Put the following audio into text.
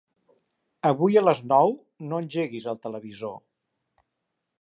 Avui a les nou no engeguis el televisor.